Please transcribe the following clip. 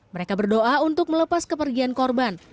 mereka berdoa untuk melepas kepergian korban